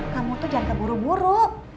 kamu tuh jangan keburu buru